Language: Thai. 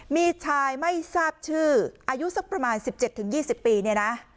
มีชายไม่ทราบชื่ออายุสักประมาณสิบเจ็ดถึงยี่สิบปีเนี่ยนะ